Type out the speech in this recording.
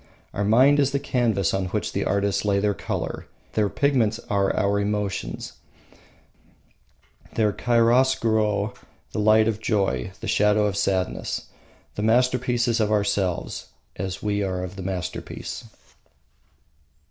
Our mind is the canvas on which the artists lay their colour; their pigments are our emotions; their chiaroscuro the light of joy, the shadow of sadness. The masterpiece is of ourselves, as we are of the masterpiece.